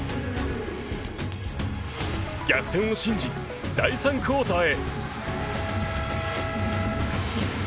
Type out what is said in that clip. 逆転を信じ、第３クオーターへ。